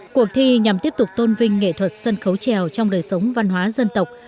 cuộc thi nhằm tiếp tục tôn vinh nghệ thuật sân khấu trèo trong đời sống văn hóa dân tộc